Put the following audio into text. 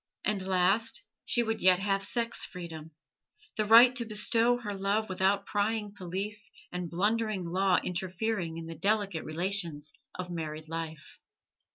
And last, she would yet have sex freedom: the right to bestow her love without prying police and blundering law interfering in the delicate relations of married life.